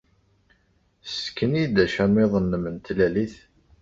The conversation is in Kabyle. Ssken-iyi-d acamiḍ-nnem n tlalit.